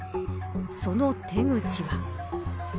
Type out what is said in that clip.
その手口は。